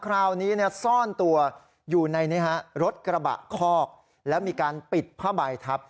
คราวนี้ซ่อนตัวอยู่ในนี้ฮะรถกระบะคอกแล้วมีการปิดผ้าใบทับ